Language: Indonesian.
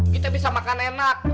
kita bisa makan enak